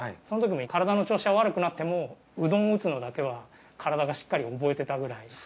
そのときに体の調子が悪くなってもうどんを打つのだけは体がしっかり覚えてたくらい。